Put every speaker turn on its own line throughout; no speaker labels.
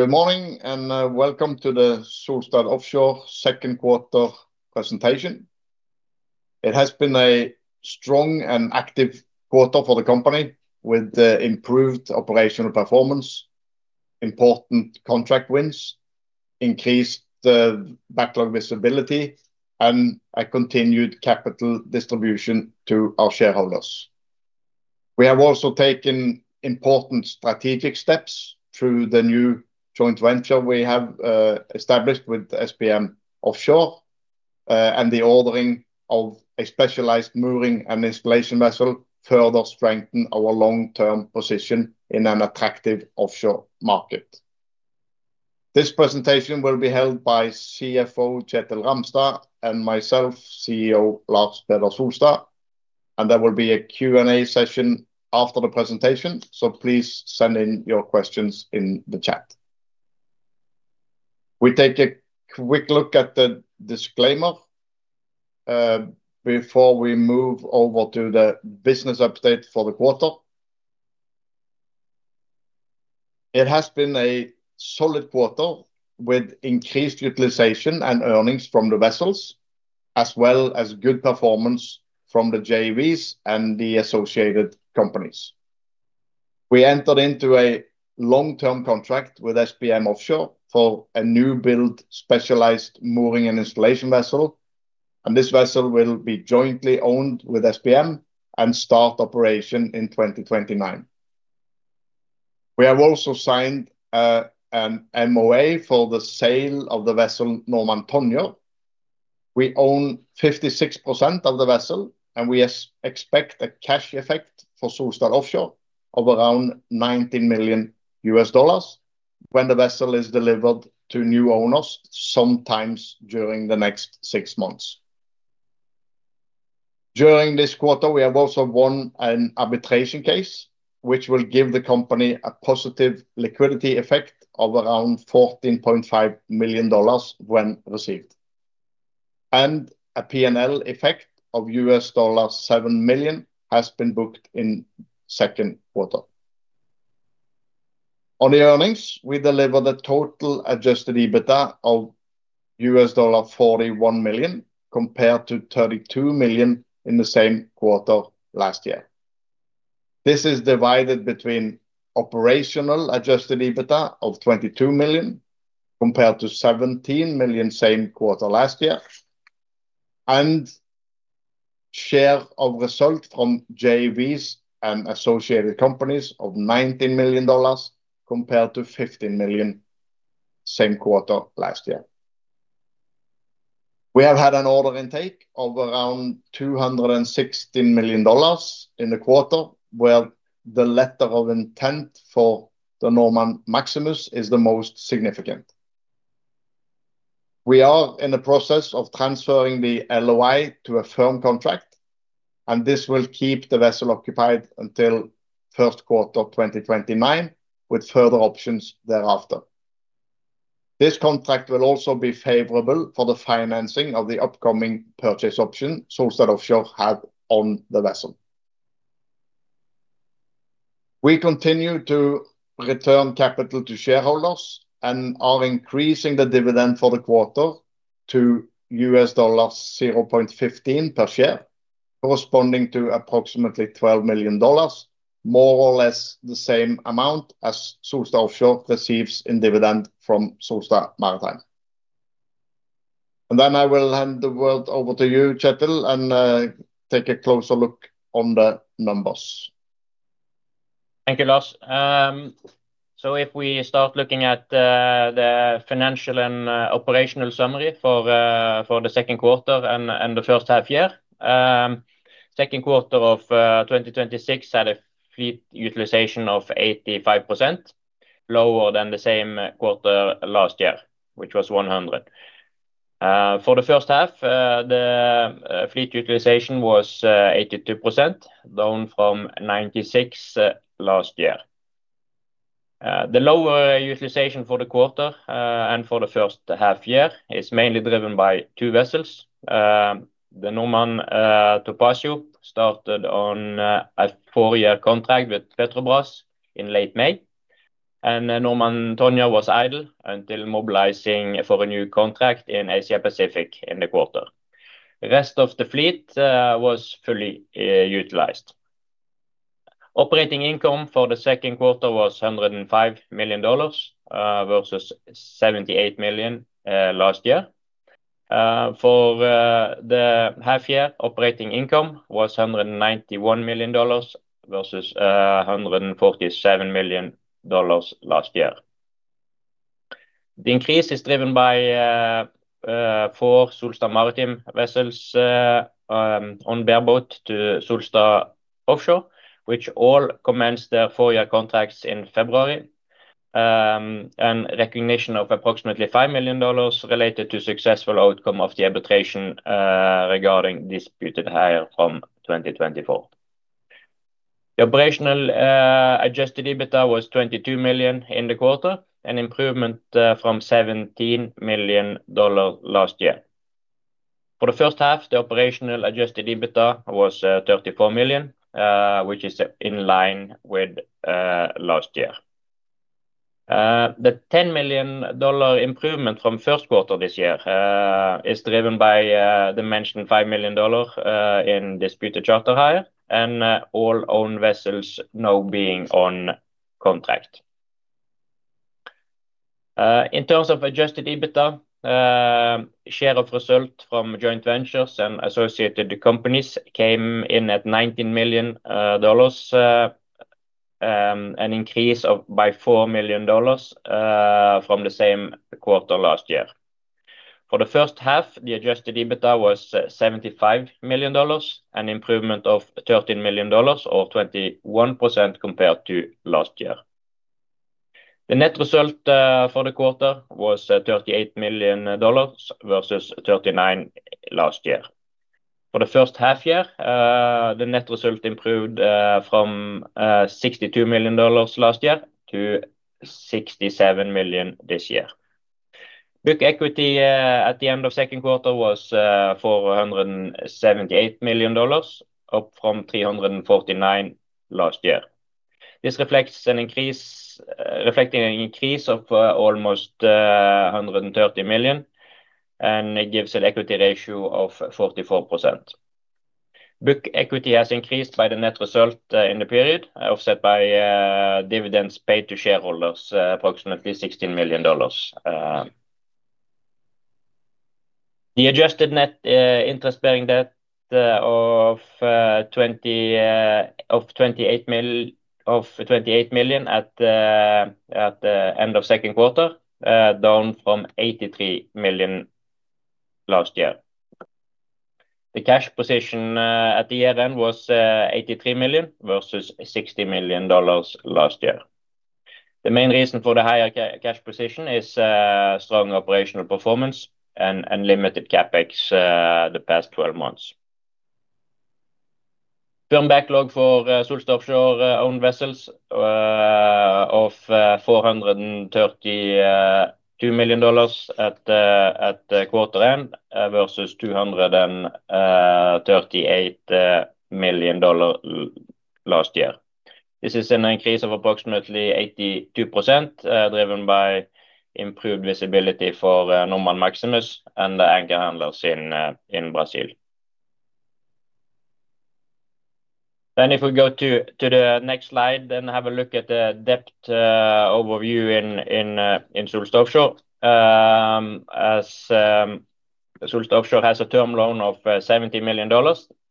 Good morning, welcome to the Solstad Offshore Second Quarter Presentation. It has been a strong and active quarter for the company with improved operational performance, important contract wins, increased the backlog visibility, and a continued capital distribution to our shareholders. We have also taken important strategic steps through the new joint venture we have established with SBM Offshore, and the ordering of a specialized mooring and installation vessel to further strengthen our long-term position in an attractive offshore market. This presentation will be held by CFO Kjetil Ramstad, and myself, CEO Lars Peder Solstad. There will be a Q&A session after the presentation. Please send in your questions in the chat. We take a quick look at the disclaimer before we move over to the business update for the quarter. It has been a solid quarter with increased utilization and earnings from the vessels, as well as good performance from the JVs and the associated companies. We entered into a long-term contract with SBM Offshore for a new build, specialized mooring and installation vessel. This vessel will be jointly owned with SBM and start operation in 2029. We have also signed an MoA for the sale of the vessel Normand Tonjer. We own 56% of the vessel. We expect a cash effect for Solstad Offshore of around $19 million when the vessel is delivered to new owners sometimes during the next six months. During this quarter, we have also won an arbitration case, which will give the company a positive liquidity effect of around $14.5 million when received. A P&L effect of $7 million has been booked in second quarter. On the earnings, we delivered a total adjusted EBITDA of $41 million, compared to $32 million in the same quarter last year. This is divided between operational adjusted EBITDA of $22 million, compared to $17 million same quarter last year. Share of result from JVs and associated companies of $19 million compared to $15 million, same quarter last year. We have had an order intake of around $216 million in the quarter, where the letter of intent for the Normand Maximus is the most significant. We are in the process of transferring the LOI to a firm contract. This will keep the vessel occupied until first quarter of 2029, with further options thereafter. This contract will also be favorable for the financing of the upcoming purchase option Solstad Offshore had on the vessel. We continue to return capital to shareholders and are increasing the dividend for the quarter to $0.15 per share, corresponding to approximately $12 million, more or less the same amount as Solstad Offshore receives in dividend from Solstad Maritime. I will hand the word over to you, Kjetil. Take a closer look on the numbers.
Thank you, Lars. If we start looking at the financial and operational summary for the second quarter and the first half year. Second quarter of 2026 had a fleet utilization of 85%, lower than the same quarter last year, which was 100%. For the first half, the fleet utilization was 82%, down from 96% last year. The lower utilization for the quarter, and for the first half year is mainly driven by two vessels. The Normand Topazio started on a four-year contract with Petrobras in late May, and Normand Tonjer was idle until mobilizing for a new contract in Asia Pacific in the quarter. The rest of the fleet was fully utilized. Operating income for the second quarter was $105 million, versus $78 million last year. For the half year, operating income was $191 million versus $147 million last year. The increase is driven by four Solstad Maritime vessels on bareboat to Solstad Offshore, which all commenced their four-year contracts in February, and recognition of approximately $5 million related to successful outcome of the arbitration regarding disputed hire from 2024. The operational adjusted EBITDA was $22 million in the quarter, an improvement from $17 million last year. For the first half, the operational adjusted EBITDA was $34 million, which is in line with last year. The $10 million improvement from first quarter this year is driven by the mentioned $5 million in disputed charter hire and all owned vessels now being on contract. In terms of adjusted EBITDA, share of result from joint ventures and associated companies came in at $19 million, an increase by $4 million from the same quarter last year. For the first half year, the adjusted EBITDA was $75 million, an improvement of $13 million or 21% compared to last year. The net result for the quarter was $38 million versus $39 million last year. For the first half year, the net result improved from $62 million last year to $67 million this year. Book equity at the end of second quarter was $478 million, up from $349 million last year. This reflecting an increase of almost $130 million, and it gives an equity ratio of 44%. Book equity has increased by the net result in the period, offset by dividends paid to shareholders approximately $16 million. The adjusted net interest-bearing debt of $28 million at the end of second quarter, down from $83 million last year. The cash position at the year-end was $83 million versus $60 million last year. The main reason for the higher cash position is strong operational performance and limited CapEx the past 12 months. Firm backlog for Solstad Offshore owned vessels of $432 million at quarter end versus $238 million last year. This is an increase of approximately 82%, driven by improved visibility for Normand Maximus and the anchor handlers in Brazil. If we go to the next slide, have a look at the depth overview in Solstad Offshore. Solstad Offshore has a term loan of $70 million,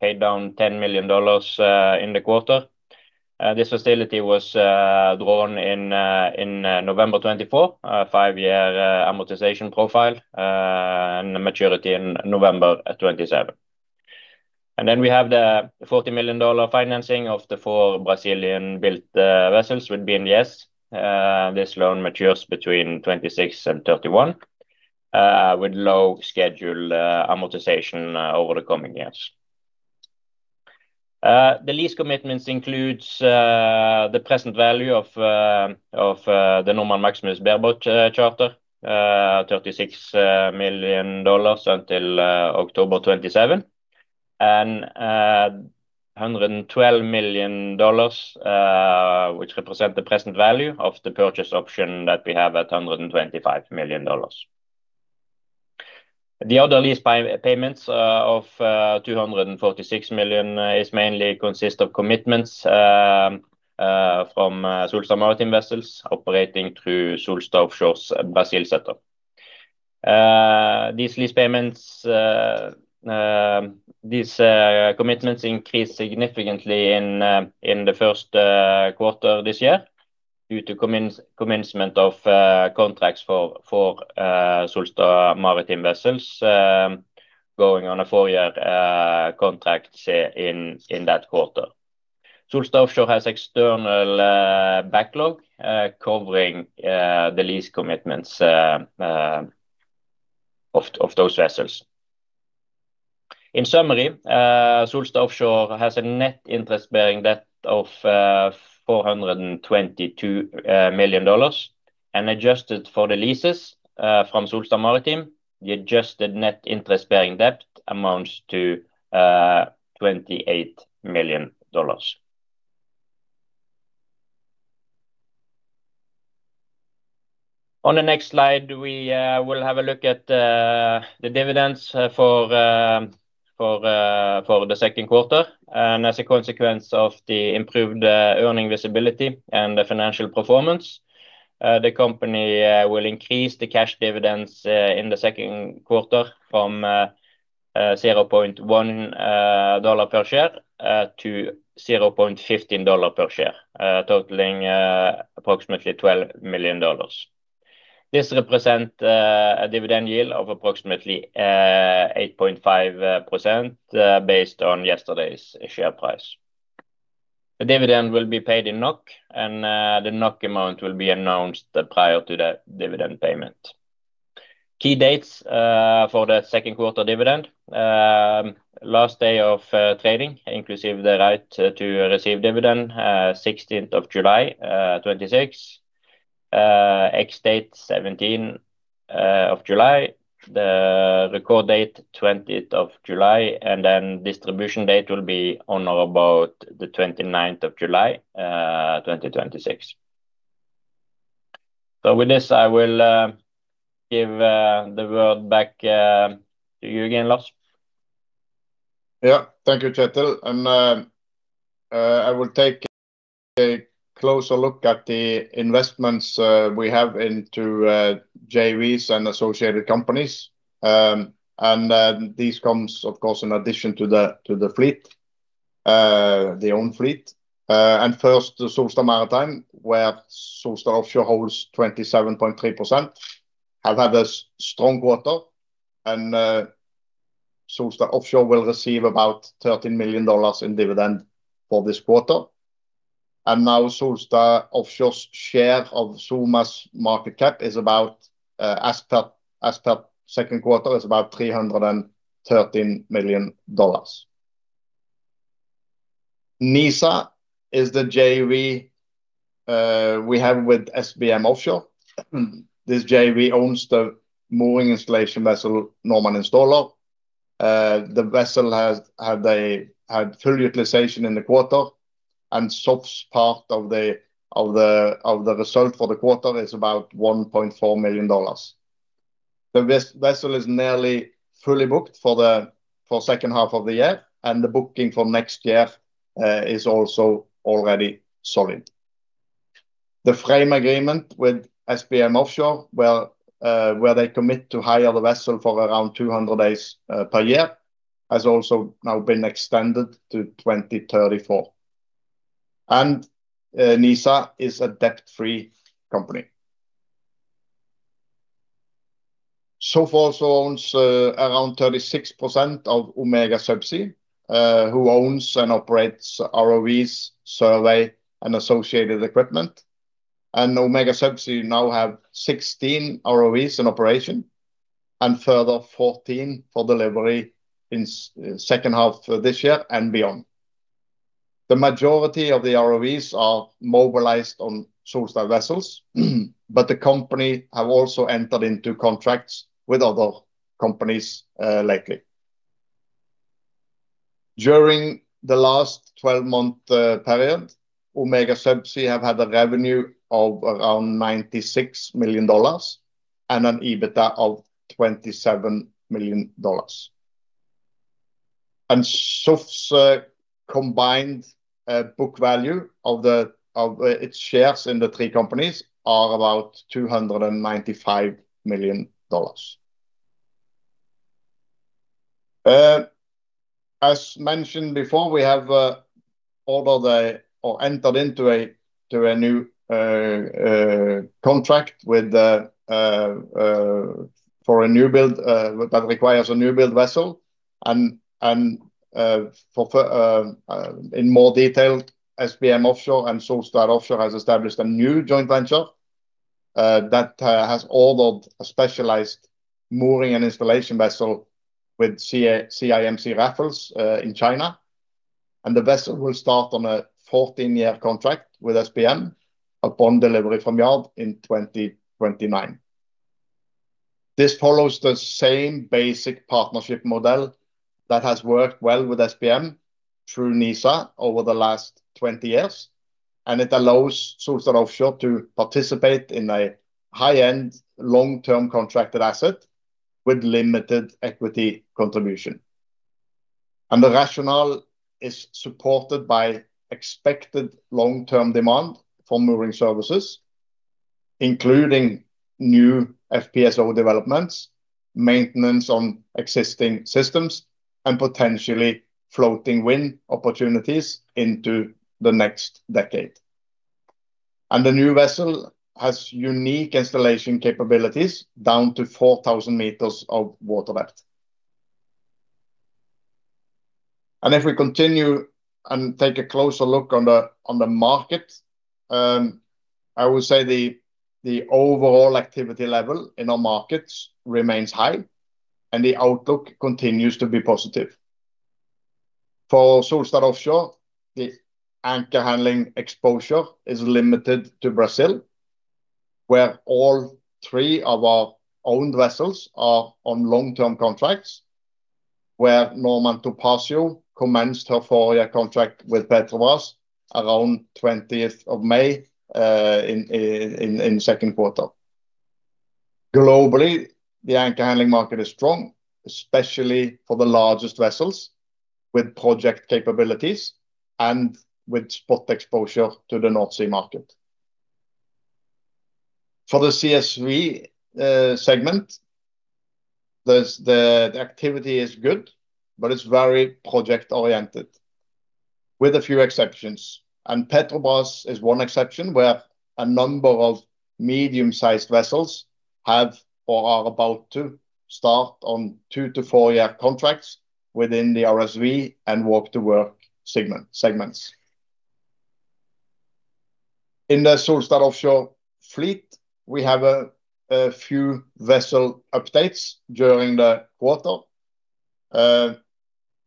paid down $10 million in the quarter. This facility was drawn in November 2024, a five-year amortization profile, and maturity in November 2027. We have the $40 million financing of the four Brazilian-built vessels with BNDES. This loan matures between 2026 and 2031, with low schedule amortization over the coming years. The lease commitments include the present value of the Normand Maximus bareboat charter, $36 million until October 27, and $112 million, which represent the present value of the purchase option that we have at $125 million. The other lease payments of $246 million mainly consist of commitments from Solstad Maritime vessels operating through Solstad Offshore's Brazil setup. These commitments increased significantly in the first quarter this year due to commencement of contracts for Solstad Maritime vessels going on a four-year contract in that quarter. Solstad Offshore has external backlog covering the lease commitments of those vessels. In summary, Solstad Offshore has a net interest-bearing debt of $422 million, and adjusted for the leases from Solstad Maritime, the adjusted net interest-bearing debt amounts to $28 million. On the next slide, we will have a look at the dividends for the second quarter. As a consequence of the improved earnings visibility and the financial performance, the company will increase the cash dividends in the second quarter from $0.1 per share to $0.15 per share, totaling approximately $12 million. This represents a dividend yield of approximately 8.5% based on yesterday's share price. The dividend will be paid in NOK, and the NOK amount will be announced prior to the dividend payment. Key dates for the second quarter dividend. Last day of trading, inclusive the right to receive dividend, 16th of July 2026. Ex-date, 17th of July 2026. The Record date, 20th of July 2026, and then Distribution date will be on or about the 29th of July 2026. With this, I will give the word back to you again, Lars.
Thank you, Kjetil. I will take a closer look at the investments we have into JVs and associated companies. These come, of course, in addition to the fleet, the owned fleet. First, Solstad Maritime, where Solstad Offshore holds 27.3%, has had a strong quarter, and Solstad Offshore will receive about $13 million in dividend for this quarter. Now Solstad Offshore's share of SOMA's market cap, as per second quarter, is about $313 million. NISA is the JV we have with SBM Offshore. This JV owns the mooring installation vessel, Normand Installer. The vessel had full utilization in the quarter, and SOFF's part of the result for the quarter is about $1.4 million. The vessel is nearly fully booked for second half of the year, and the booking for next year is also already solid. The frame agreement with SBM Offshore, where they commit to hire the vessel for around 200 days per year, has also now been extended to 2034. NISA is a debt-free company. SOFF also owns around 36% of Omega Subsea, which owns and operates ROVs, survey, and associated equipment. Omega Subsea now has 16 ROVs in operation, and further 14 for delivery in second half this year and beyond. The majority of the ROVs are mobilized on Solstad vessels, but the company has also entered into contracts with other companies lately. During the last 12-month period, Omega Subsea has had a revenue of around $96 million and an EBITDA of $27 million. SOFF's combined book value of its shares in the three companies are about $295 million. As mentioned before, we have entered into a new contract that requires a new-build vessel. In more detail, SBM Offshore and Solstad Offshore has established a new joint venture that has ordered a specialized mooring and installation vessel with CIMC Raffles in China, and the vessel will start on a 14-year contract with SBM upon delivery from yard in 2029. This follows the same basic partnership model that has worked well with SBM through NISA over the last 20 years, and it allows Solstad Offshore to participate in a high-end, long-term contracted asset with limited equity contribution. The rationale is supported by expected long-term demand for mooring services, including new FPSO developments, maintenance on existing systems, and potentially floating wind opportunities into the next decade. The new vessel has unique installation capabilities down to 4,000 m of water depth. If we continue and take a closer look on the market, I would say the overall activity level in our markets remains high, and the outlook continues to be positive. For Solstad Offshore, the anchor handling exposure is limited to Brazil, where all three of our owned vessels are on long-term contracts, where Normand Topazio commenced her four-year contract with Petrobras around 20th of May in second quarter. Globally, the anchor handling market is strong, especially for the largest vessels with project capabilities and with spot exposure to the North Sea market. For the CSV segment, the activity is good, but it's very project oriented, with a few exceptions. Petrobras is one exception where a number of medium-sized vessels have or are about to start on two to four-year contracts within the RSV and Walk to Work segments. The Solstad Offshore fleet, we have a few vessel updates during the quarter.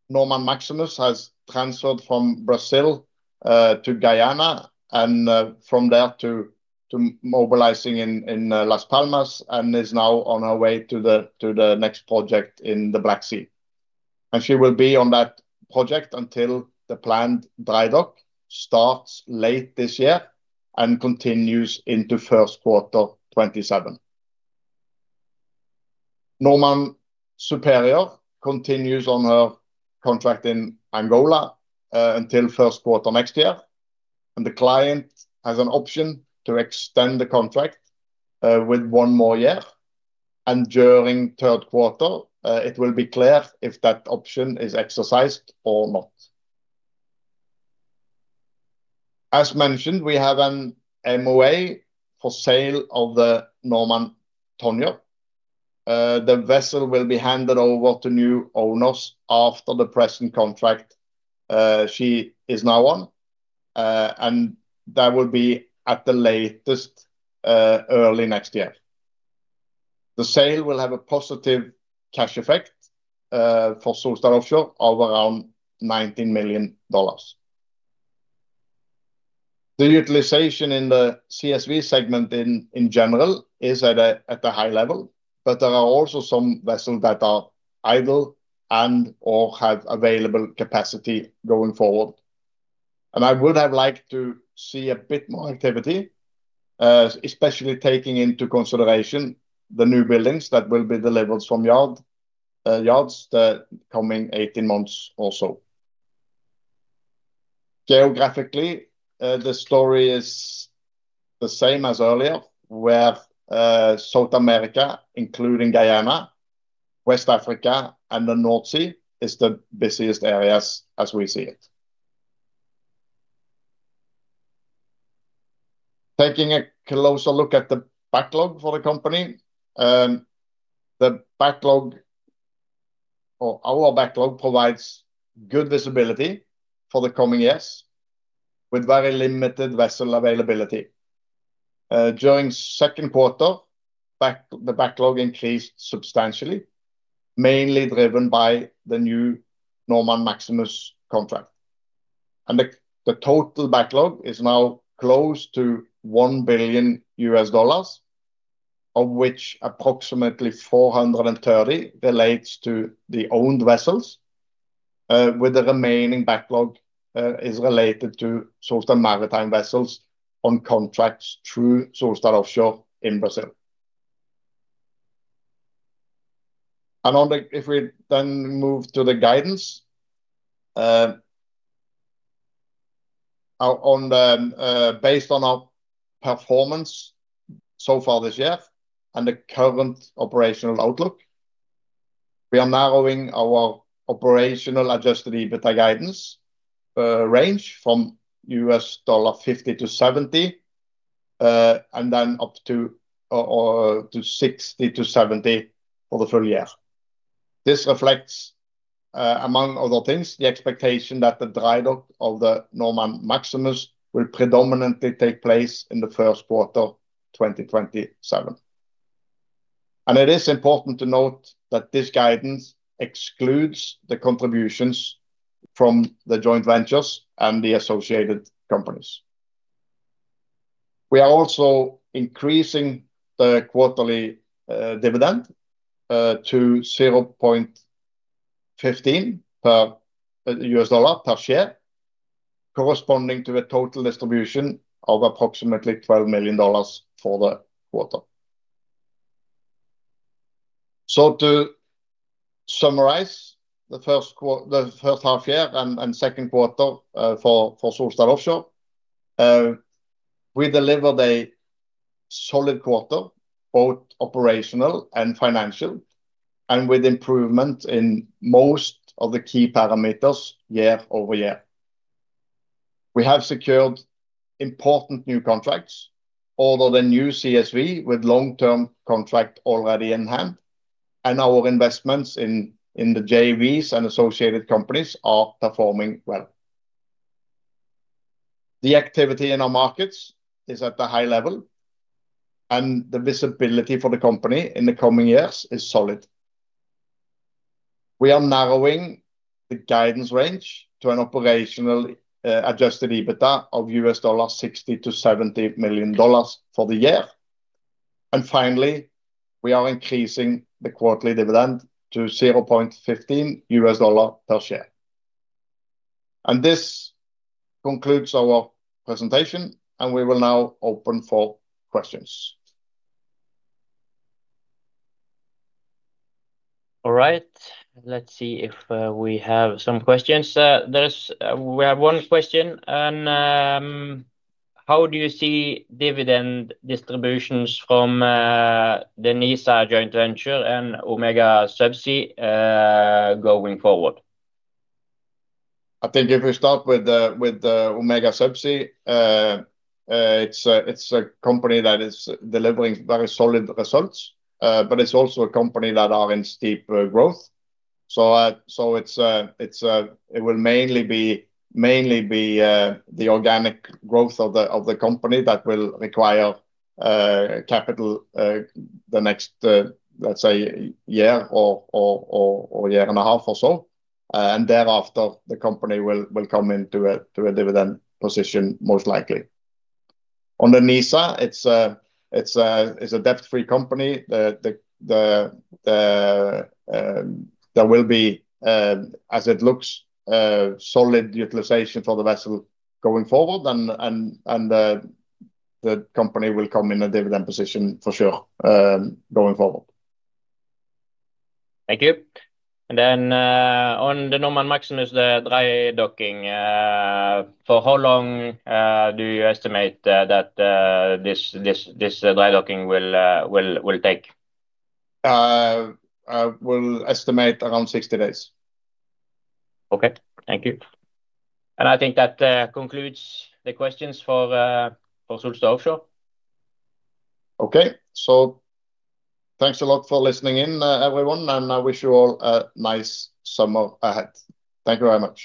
Normand Maximus has transferred from Brazil to Guyana and from there to mobilizing in Las Palmas and is now on her way to the next project in the Black Sea. She will be on that project until the planned dry dock starts late this year and continues into first quarter 2027. Normand Superior continues on her contract in Angola until first quarter next year, and the client has an option to extend the contract with one more year. During third quarter, it will be clear if that option is exercised or not. As mentioned, we have an MoA for sale of the Normand Tonjer. The vessel will be handed over to new owners after the present contract she is now on, and that will be at the latest, early next year. The sale will have a positive cash effect for Solstad Offshore of around $19 million. The utilization in the CSV segment in general is at a high level, but there are also some vessels that are idle and/or have available capacity going forward. I would have liked to see a bit more activity, especially taking into consideration the new buildings that will be delivered from yards the coming 18 months or so. Geographically, the story is the same as earlier, where South America, including Guyana, West Africa, and the North Sea is the busiest areas as we see it. Taking a closer look at the backlog for the company. Our backlog provides good visibility for the coming years with very limited vessel availability. During second quarter, the backlog increased substantially, mainly driven by the new Normand Maximus contract. The total backlog is now close to $1 billion, of which approximately $430 million relates to the owned vessels, with the remaining backlog is related to Solstad Maritime vessels on contracts through Solstad Offshore in Brazil. If we then move to the guidance. Based on our performance so far this year and the current operational outlook, we are narrowing our operational adjusted EBITDA guidance range from $50 million-$70 million, up to $60 million-$70 million for the full year. This reflects, among other things, the expectation that the dry dock of the Normand Maximus will predominantly take place in the first quarter 2027. It is important to note that this guidance excludes the contributions from the joint ventures and the associated companies. We are also increasing the quarterly dividend to $0.15 per share, corresponding to a total distribution of approximately $12 million for the quarter. To summarize the first half year and second quarter for Solstad Offshore. We delivered a solid quarter, both operational and financial, with improvement in most of the key parameters year-over-year. We have secured important new contracts, ordered a new CSV with long-term contract already in hand, and our investments in the JVs and associated companies are performing well. The activity in our markets is at a high level, and the visibility for the company in the coming years is solid. We are narrowing the guidance range to an operational adjusted EBITDA of $60 million-$70 million for the year. Finally, we are increasing the quarterly dividend to $0.15 per share. This concludes our presentation, and we will now open for questions.
All right. Let's see if we have some questions. We have one question. How do you see dividend distributions from the NISA joint venture and Omega Subsea going forward?
I think if we start with the Omega Subsea, it's a company that is delivering very solid results. It's also a company that are in steep growth. It will mainly be the organic growth of the company that will require capital the next, let's say, year or 1.5 year or so. Thereafter, the company will come into a dividend position, most likely. On the NISA, it's a debt-free company. There will be, as it looks, solid utilization for the vessel going forward and the company will come in a dividend position for sure going forward.
Thank you. On the Normand Maximus, the dry docking. For how long do you estimate that this dry docking will take?
I will estimate around 60 days.
Okay. Thank you. I think that concludes the questions for Solstad Offshore.
Okay. Thanks a lot for listening in, everyone, and I wish you all a nice summer ahead. Thank you very much.